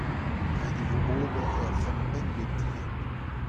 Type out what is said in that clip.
ret e vo ober ur c'hempenn d'ho tilhad.